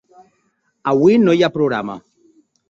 Avui no hi ha programa.